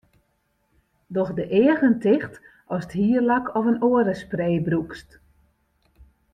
Doch de eagen ticht ast hierlak of in oare spray brûkst.